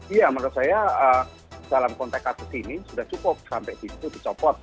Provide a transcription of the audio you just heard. iya menurut saya dalam konteks kasus ini sudah cukup sampai di situ dicopot